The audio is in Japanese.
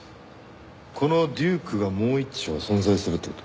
このデュークがもう１丁存在するって事ですか？